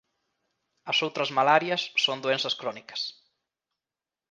As outras malarias son doenzas crónicas.